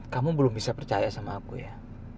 kamu belum bisa percaya sama aku ya